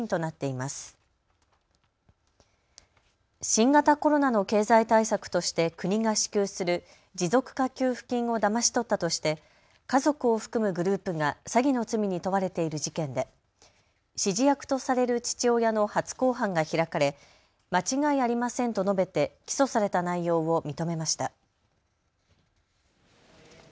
新型コロナの経済対策として国が支給する持続化給付金をだまし取ったとして家族を含むグループが詐欺の罪に問われている事件で指示役とされる父親の初公判が開かれ間違いありませんと述べて起訴された内容を認めました。